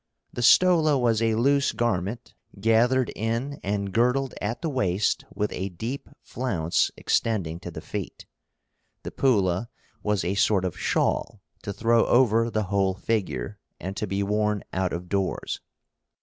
The stola was a loose garment, gathered in and girdled at the waist with a deep flounce extending to the feet. The pulla was a sort of shawl to throw over the whole figure, and to be worn out of doors.